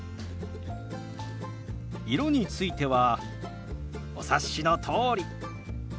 色についてはお察しのとおり！